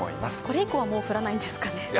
これ以降はもう降らないんですかね？